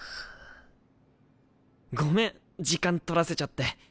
ごめん時間取らせちゃって。